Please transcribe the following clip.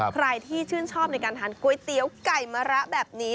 ใครที่ชื่นชอบในการทานก๋วยเตี๋ยวไก่มะระแบบนี้